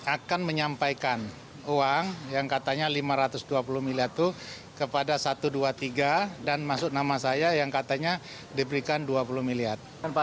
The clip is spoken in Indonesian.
akan menyampaikan uang yang katanya lima ratus dua puluh miliar itu kepada satu ratus dua puluh tiga dan masuk nama saya yang katanya diberikan dua puluh miliar